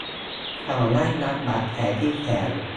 เขาได้รับบาดแผลที่แขน